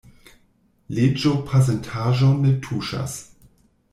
Leĝo pasintaĵon ne tuŝas.